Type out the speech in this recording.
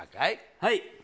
はい。